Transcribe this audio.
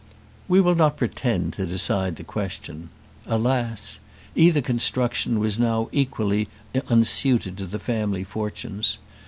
We will not pretend to decide the question. Alas! either construction was now equally unsuited to the family fortunes.